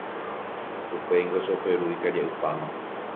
Upéingo Choperu ikaria'ypáma.